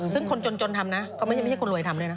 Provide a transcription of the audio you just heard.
ซึ่งคนจนทำนะก็ไม่ใช่คนรวยทำด้วยนะ